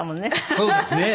そうですね。